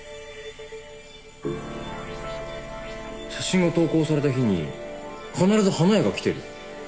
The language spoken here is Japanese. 写真が投稿された日に必ず花屋が来てる。